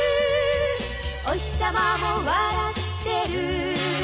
「おひさまも笑ってる」